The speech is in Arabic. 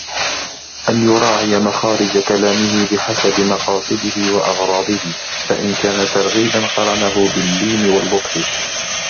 أَنْ يُرَاعِيَ مَخَارِجَ كَلَامِهِ بِحَسَبِ مَقَاصِدِهِ وَأَغْرَاضِهِ فَإِنْ كَانَ تَرْغِيبًا قَرَنَهُ بِاللِّينِ وَاللُّطْفِ